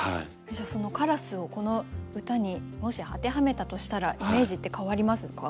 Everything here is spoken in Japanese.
じゃあ「カラス」をこの歌にもし当てはめたとしたらイメージって変わりますか？